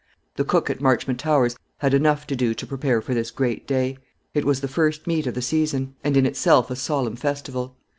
The cook at Marchmont Towers had enough to do to prepare for this great day. It was the first meet of the season, and in itself a solemn festival.